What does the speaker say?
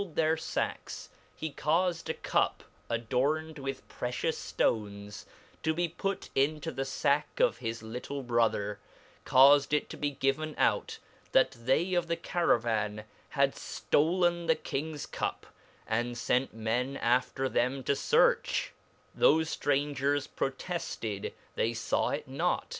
dtheii facks, he caiifed a Cup adorned v^ith precious ftoncs to be put into the fack of his little bro ther; caufed it to be given out, that they of the (^aruvan had ftolne the Kings Cup; and fent men after ihem to fearch ;thore Grangers protefted they faW it.not.